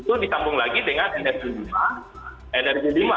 nah itu disambung lagi dengan energi kelima